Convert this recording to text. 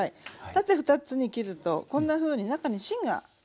縦２つに切るとこんなふうに中に芯が。